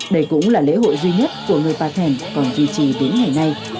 đây cũng là lễ hội duy nhất của người bà thẻn còn duy trì đến ngày nay